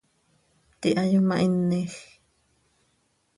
Pti hayomahinej.